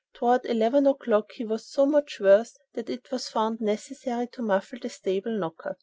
Toward eleven o'clock he was so much worse that it was found necessary to muffle the stable knocker.